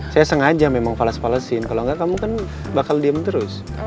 saya sengaja memang fales falesin kalau enggak kamu kan bakal diem terus